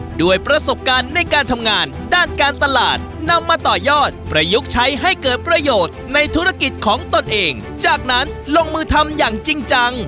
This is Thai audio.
ด้วยประสบการณ์ในการทำงานด้านการตลาดนำมาต่อยอดประยุกต์ใช้ให้เกิดประโยชน์ในธุรกิจของตนเองจากนั้นลงมือทำอย่างจริงจัง